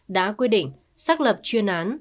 đã quyết định xác lập chuyên án